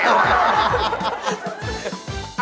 เล่นอย่าม